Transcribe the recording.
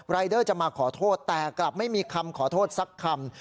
เดอร์จะมาขอโทษแต่กลับไม่มีคำขอโทษสักคำ